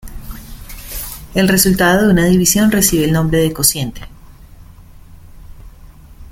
El resultado de una división recibe el nombre de cociente.